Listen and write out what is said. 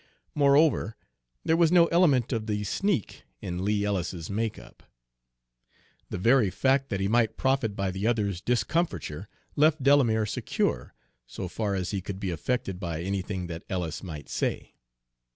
Moreover, there was no element of the sneak in Lee Ellis's make up. The very fact that he might profit by the other's discomfiture left Delamere secure, so far as he could be affected by anything that Ellis might say.